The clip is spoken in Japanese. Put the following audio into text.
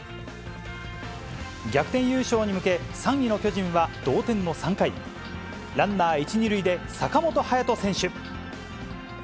逆転優勝に向け、３位の巨人は同点の３回、ランナー１、２塁で坂本勇人選手。